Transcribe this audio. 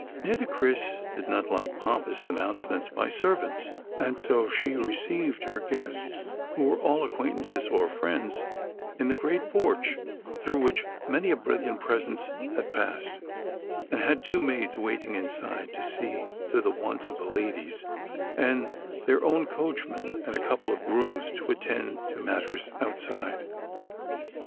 Nitocris did not like pompous announcements by servants, and so she received her guests, who were all acquaintances or friends, in the great porch through which many a brilliant presence had passed, and had two maids waiting inside to see to the wants of the ladies, and their own coachman and a couple of grooms to attend to matters outside.